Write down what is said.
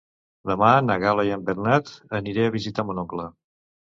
Demà na Gal·la i en Bernat aniré a visitar mon oncle.